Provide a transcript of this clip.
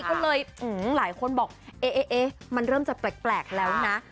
ก็เลยหลายคนบอกเอ๊ะมันเริ่มจะแปลกแล้วนะ